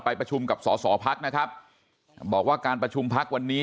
ประชุมกับสอสอพักนะครับบอกว่าการประชุมพักวันนี้